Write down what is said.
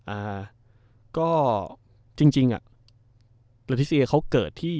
อ่าก็จริงจริงอ่ะเขาเกิดที่